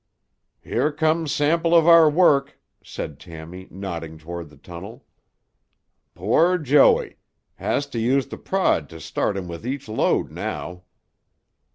"Here comes sample of our work," said Tammy, nodding toward the tunnel. "Poor Joey! Has to use tuh prod to start him with each load now."